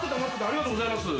ありがとうございます。